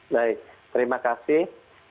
baik terima kasih